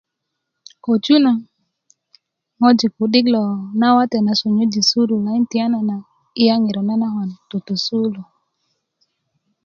köju na ŋojik lo ku'dik loo nawate na miindi sukulu ama tiyanana iya ŋiro nanakwan tutu sukulu